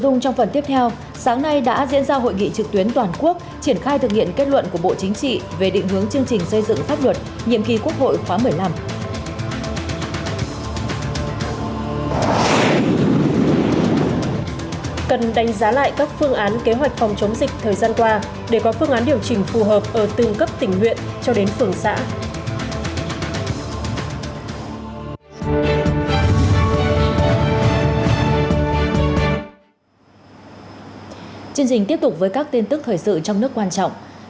những nội dung trong phần tiếp theo